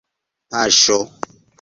paŝo